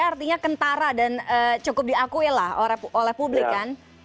artinya kentara dan cukup diakui lah oleh publik kan